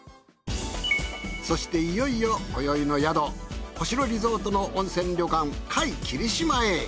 そしていよいよこよいの宿星野リゾートの温泉旅館界霧島へ。